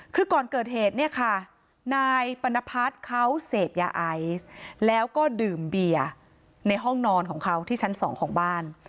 คือก่อนเกิดเหตุเนี่ยค่ะนายปรณพัฒน์เขาเสพยาไอซ์แล้วก็ดื่มเบียร์ในห้องนอนของเขาที่ชั้น๒ของบ้าน